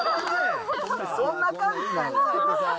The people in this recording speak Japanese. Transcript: そんな感じなんや。